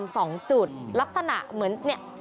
สองจุดลักษณะเหมือนเนี่ย